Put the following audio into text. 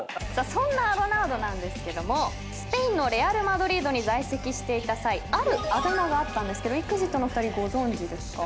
そんなロナウドなんですけどもスペインのレアル・マドリードに在籍していた際あるあだ名があったんですけどＥＸＩＴのお二人ご存じですか？